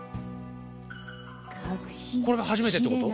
これが初めてってこと？